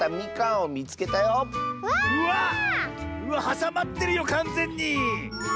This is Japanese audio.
はさまってるよかんぜんに！